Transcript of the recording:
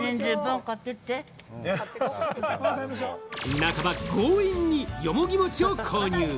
半ば強引に、よもぎ餅を購入。